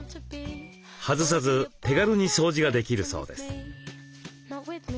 外さず手軽に掃除ができるそうです。